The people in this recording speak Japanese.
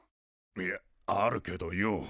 いやあるけどよ。